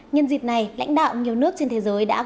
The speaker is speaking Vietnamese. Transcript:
nhân dịp này lãnh đạo nhiều nước trên thế giới đã gửi đi